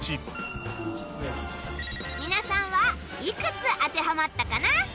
皆さんはいくつ当てはまったかな？